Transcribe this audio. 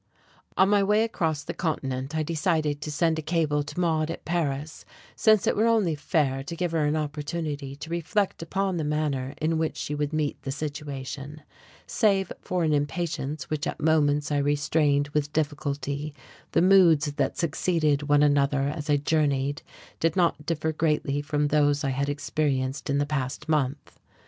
On my way across the continent I decided to send a cable to Maude at Paris, since it were only fair to give her an opportunity to reflect upon the manner in which she would meet the situation. Save for an impatience which at moments I restrained with difficulty, the moods that succeeded one another as I journeyed did not differ greatly from those I had experienced in the past month.